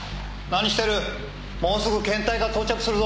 何してる？